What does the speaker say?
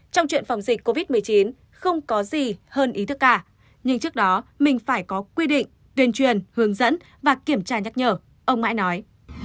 trong chuyện phòng dịch covid một mươi chín không có gì hơn ý thức cả nhưng trước đó mình phải có quy định tuyên truyền hướng dẫn và kiểm tra nhắc nhở ông mãi nói